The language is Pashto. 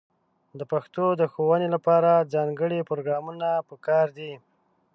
د پښتو د ښوونې لپاره ځانګړې پروګرامونه په کار دي.